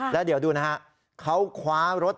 แล้วเดี๋ยวดูนะฮะเขาคว้ารถ